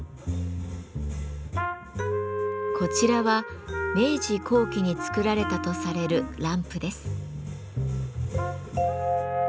こちらは明治後期に作られたとされるランプです。